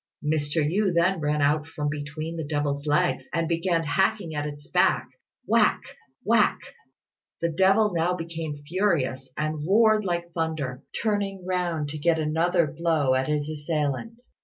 Mr. Yü then ran out from between the devil's legs, and began hacking at its back whack! whack! The devil now became furious, and roared like thunder, turning round to get another blow at his assailant.